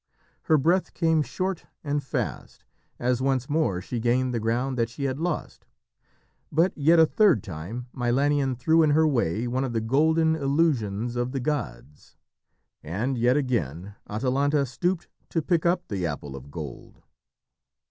Her breath came short and fast, as once more she gained the ground that she had lost. But, yet a third time, Milanion threw in her way one of the golden illusions of the gods. And, yet again, Atalanta stooped to pick up the apple of gold.